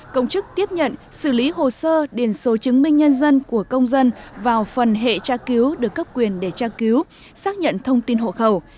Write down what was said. công chức tiếp nhận xử lý hồ sơ điền số chứng minh nhân dân của công dân vào phần hệ tra cứu được cấp quyền để tra cứu xác nhận thông tin hộ khẩu